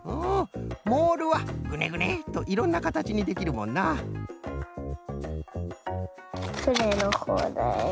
モールはグネグネッといろんなかたちにできるもんなふねのほうだよ。